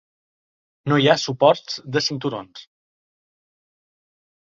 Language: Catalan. No hi ha suports de cinturons.